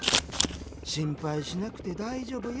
「心配しなくて大丈夫よ。